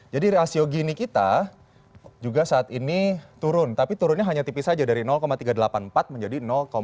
jadi rasio gini kita juga saat ini turun tapi turunnya hanya tipis saja dari tiga ratus delapan puluh empat menjadi tiga ratus delapan puluh satu